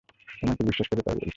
তোমাকে বিশ্বাস করি তাই বলছি।